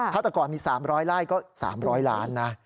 ถ้าแต่ก่อนมี๓๐๐ไร่ก็๓๐๐ล้านนะ